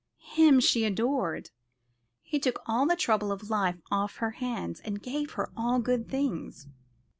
Him she adored. He took all the trouble of life off her hands, and gave her all good things.